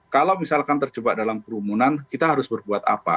kalau misalkan terjebak dalam kerumunan kita harus berbuat apa